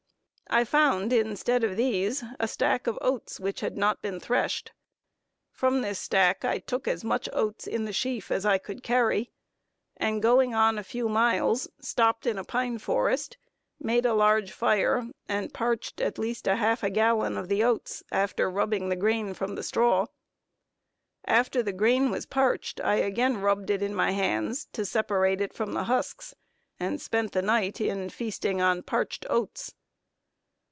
I found, instead of these, a stack of oats, which had not been threshed. From this stack I took as much oats in the sheaf as I could carry, and going on a few miles, stopped in a pine forest, made a large fire, and parched at least half a gallon of oats, after rubbing the grain from the straw. After the grain was parched, I again rubbed it in my hands, to separate it from the husks, and spent the night in feasting on parched oats.